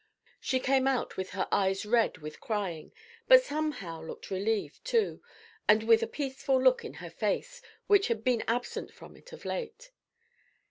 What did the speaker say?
She came out with her eyes red with crying, but somehow looking relieved, too, and with a peaceful look in her face which had been absent from it of late.